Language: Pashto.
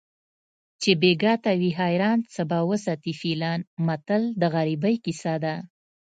چې بیګا ته وي حیران څه به وساتي فیلان متل د غریبۍ کیسه ده